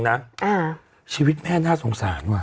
นะชีวิตแม่น่าสงสารว่ะ